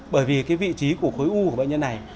bởi vì vị trí của khối u của bệnh nhân này